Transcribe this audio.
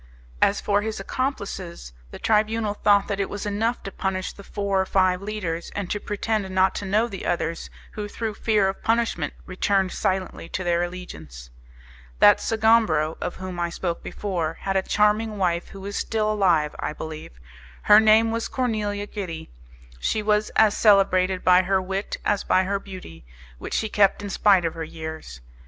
As for his accomplices, the Tribunal thought that it was enough to punish the four or five leaders, and to pretend not to know the others, who through fear of punishment returned silently to their allegiance. That Sgombro, of whom I spoke before, had a charming wife who is still alive, I believe. Her name was Cornelia Gitti; she was as celebrated by her wit as by her beauty, which she kept in spite of her years.